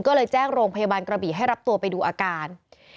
ก็เลยแจ้งโรงพยาบาลกระบี่ให้รับตัวไปดูอาการ